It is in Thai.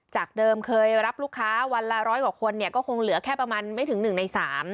จากเดิมเคยรับลูกค้าวันละร้อยกว่าคนเนี่ยก็คงเหลือแค่ประมาณไม่ถึง๑ใน๓